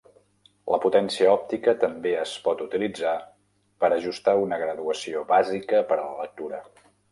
La potència òptica també es pot utilitzar per ajustar una graduació bàsica per a la lectura.